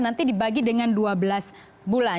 nanti dibagi dengan dua belas bulan